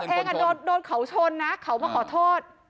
เองโดนเขาชนนะเขามาขอโทษ